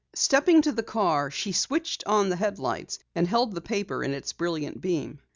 Stepping to the car, she switched on the headlights and held the paper in its brilliant beam.